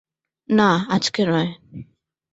না, আজকে নয়।